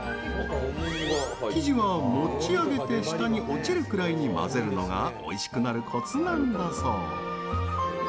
生地は持ち上げて下に落ちるくらいに混ぜるのがおいしくなるコツなんだそう。